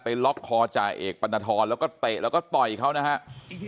ล็อกคอจ่าเอกปรณฑรแล้วก็เตะแล้วก็ต่อยเขานะครับ